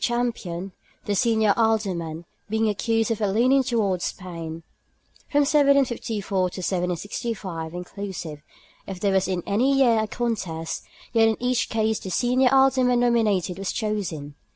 Champion, the senior Alderman, being accused of a leaning towards Spain. From 1754 to 1765 (inclusive) if there was in any year a contest, yet in each case the senior Alderman nominated was chosen.